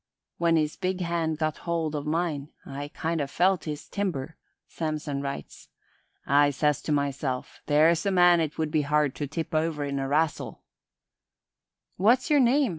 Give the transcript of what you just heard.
"When his big hand got hold of mine, I kind of felt his timber," Samson writes. "I says to myself, 'There's a man it would be hard to tip over in a rassle.'" "What's yer name?